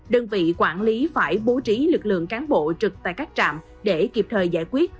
đơn vị quản lý phải bố trí lực lượng cán bộ trực tại các trạm để kịp thời giải quyết